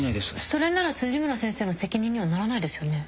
それなら辻村先生の責任にはならないですよね。